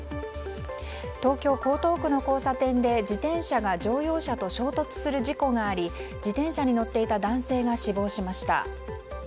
東京・江東区の交差点で自転車が乗用車と衝突する事故があり自転車に乗っていた男性が死亡しました。